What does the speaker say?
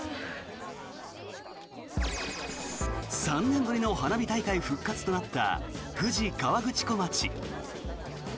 ３年ぶりの花火大会復活となった富士河口湖町。